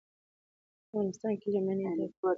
افغانستان له منی ډک دی.